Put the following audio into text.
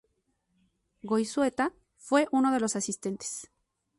Goizueta fue uno de los asistentes.